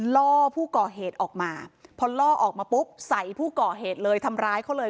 ล่อผู้ก่อเหตุออกมาพอล่อออกมาปุ๊บใส่ผู้ก่อเหตุเลยทำร้ายเขาเลย